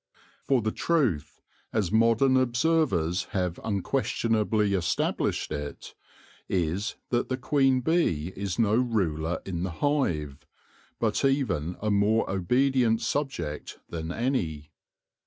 For the truth, as modern observers have unquestionably established it, is that the queen bee is no ruler in the hive, but even a more obedient subject than any.